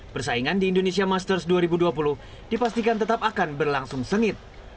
persaingan di indonesia masters dua ribu dua puluh dipastikan tetap akan berlangsung sengit